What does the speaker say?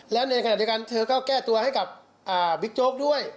แล้วในขณะเดียวกันเธอก็แก้ตัวให้กับบิ๊กโจ๊กด้วย